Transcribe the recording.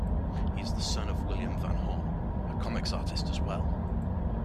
He is the son of William Van Horn, a comics artist as well.